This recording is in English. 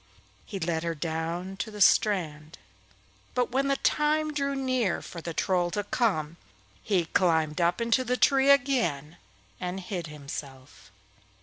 He led her down to the strand, but when the time drew near for the Troll to come, he climbed up into the tree again and hid himself.